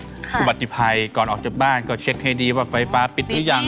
อุบัติภัยก่อนออกจากบ้านก็เช็คให้ดีว่าไฟฟ้าปิดหรือยัง